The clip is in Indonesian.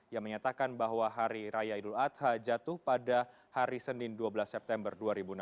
yang menyatakan bahwa hari raya idul adha jatuh pada hari senin dua belas september dua ribu enam belas